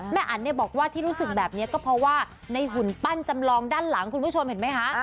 อันเนี่ยบอกว่าที่รู้สึกแบบนี้ก็เพราะว่าในหุ่นปั้นจำลองด้านหลังคุณผู้ชมเห็นไหมคะ